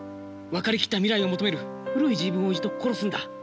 分かりきった未来を求める古い自分を一度殺すんだ。